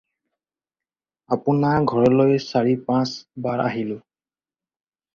আপোনাৰ ঘৰলৈ চাৰি-পাঁচ বাৰ আহিলোঁ।